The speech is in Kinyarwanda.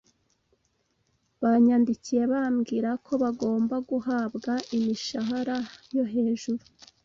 banyandikiye bambwira ko bagomba guhabwa imishahara yo hejuru,